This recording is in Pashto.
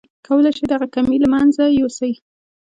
کولای شئ دغه کمی له منځه يوسئ.